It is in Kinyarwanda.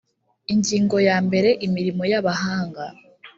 ingingo ya mbere imirimo y abahanga